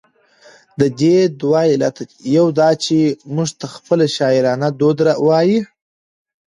د دې دوه علته دي، يو دا چې، موږ ته خپله شاعرانه دود وايي،